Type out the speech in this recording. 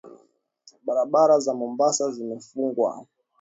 Barabara za Mombasa zimefungwa.